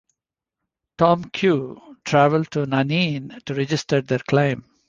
Tom Cue travelled to Nannine to register their claim.